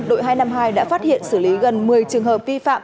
đội hai trăm năm mươi hai đã phát hiện xử lý gần một mươi trường hợp vi phạm